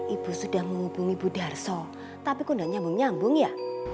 ibu sudah menghubungi bu darso tapi kundak nyambung nyambung ya